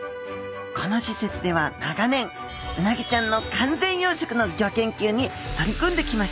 このしせつでは長年うなぎちゃんの完全養殖のギョ研究に取り組んできました。